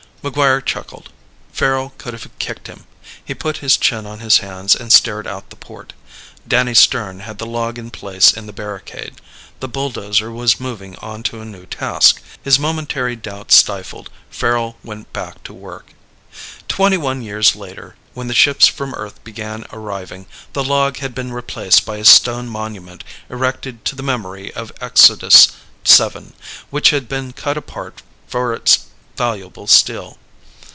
MacGuire chuckled. Farrel could have kicked him. He put his chin in his hands and stared out the port. Danny Stern had the log in place in the barricade. The bulldozer was moving on to a new task. His momentary doubt stilled, Farrel went back to work. Twenty one years later, when the ships from Earth began arriving, the log had been replaced by a stone monument erected to the memory of the Exodus VII, which had been cut apart for its valuable steel.